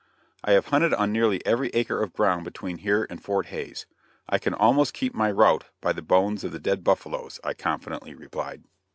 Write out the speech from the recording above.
"I have hunted on nearly every acre of ground between here and Fort Hays, and I can almost keep my route by the bones of the dead buffaloes." I confidently replied.